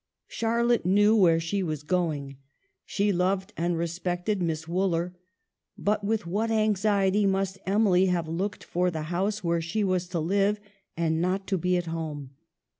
Charlotte knew where she was going. She loved and respected Miss Wooler ; but with what anxiety must Emily have looked for the house where she was to live and not to be at home.